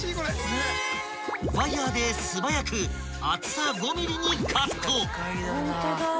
［ワイヤーで素早く厚さ５ｍｍにカット］